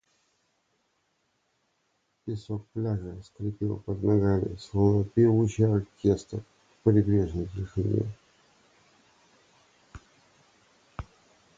Песок пляжа скрипел под ногами, словно певучий оркестр в прибрежной тишине.